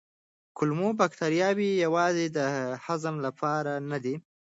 کولمو بکتریاوې یوازې هضم لپاره نه دي.